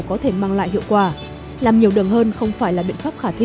có thể mang lại hiệu quả làm nhiều đường hơn không phải là biện pháp khả thi